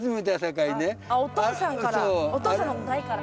お父さんの代から。